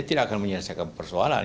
tidak akan menyelesaikan persoalan